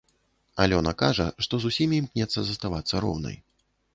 Алёна кажа, што з усімі імкнецца заставацца роўнай.